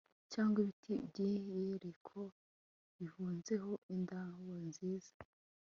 cyangwa ibiti by'i yeriko bihunzeho indabo nziza